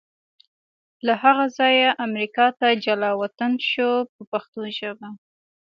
له هغه ځایه امریکا ته جلا وطن شو په پښتو ژبه.